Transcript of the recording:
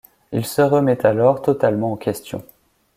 Il se remet alors totalement en question.